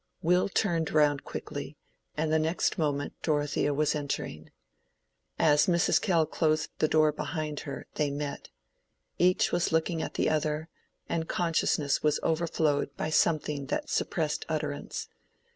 Will turned round quickly, and the next moment Dorothea was entering. As Mrs. Kell closed the door behind her they met: each was looking at the other, and consciousness was overflowed by something that suppressed utterance.